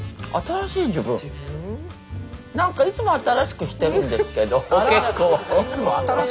何かいつも新しくしてるんですけど結構。